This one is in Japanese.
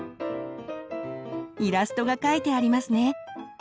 イラストがかいてありますね。